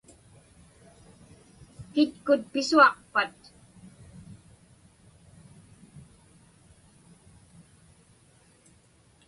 Kitkut pisuaqpat?